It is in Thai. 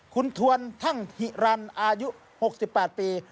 คุณทวนทั่งหิรันอายุ๖๘ปี